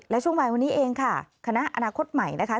และช่วงบ่ายวันนี้เองค่ะคณะอนาคตใหม่นะคะ